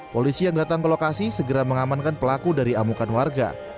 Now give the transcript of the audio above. polisi yang datang ke lokasi segera mengamankan pelaku dari amukan warga